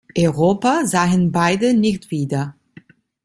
Europa sahen beide nicht wieder.